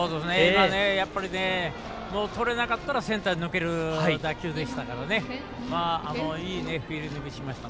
今、とれなかったらセンターに抜ける打球でしたからいいフィールディングしました。